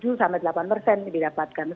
jadi ini juga masih di atas angka inflasi gitu